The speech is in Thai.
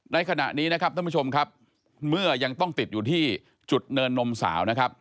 ในขณะนี้นะครับท่านผู้ชมครับเมื่อยังต้องติดอยู่ที่จุดเนินนมสาวนะครับ